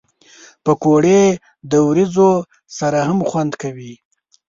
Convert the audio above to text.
پکورې د وریجو سره هم خوند کوي